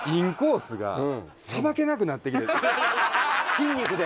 筋肉で？